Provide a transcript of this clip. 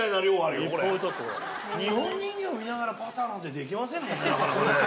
日本人形見ながらパターなんてできませんもんねなかなかね。